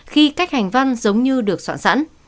khi cách hành văn giống như được soạn sẵn